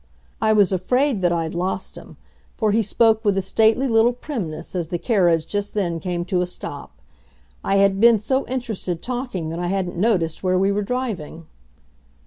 I was afraid that I'd lost him, for he spoke with a stately little primness as the carriage just then came to a stop; I had been so interested talking that I hadn't noticed where we were driving.